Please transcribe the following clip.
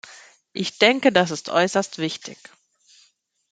Ich denke, das ist äußerst wichtig.